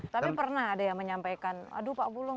tapi pernah ada yang menyampaikan aduh pak bulung